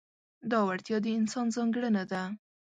دا وړتیا د انسان ځانګړنه ده.